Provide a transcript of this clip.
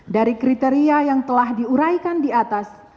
dari kriteria yang telah diuraikan di atas